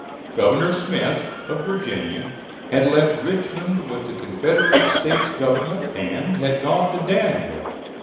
Governor Smith of Virginia had left Richmond with the Confederate States government, and had gone to Danville.